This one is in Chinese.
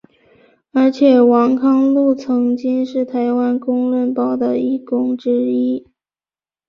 而且王康陆曾经是台湾公论报的义工之一。